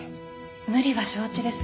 無理は承知です。